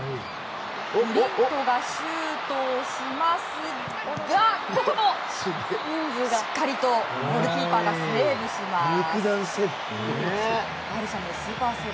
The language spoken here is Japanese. ブリントがシュートしますがここもしっかりとゴールキーパーセーブします。